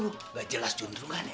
nggak jelas cenderungannya